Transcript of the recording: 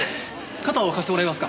肩を貸してもらえますか？